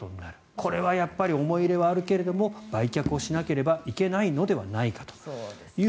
これはやっぱり思い入れはあるけれども売却をしなければいけないのではないかと。